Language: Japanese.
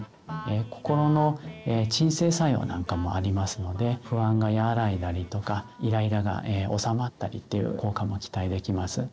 心の鎮静作用なんかもありますので不安が和らいだりとかイライラがおさまったりっていう効果も期待できます。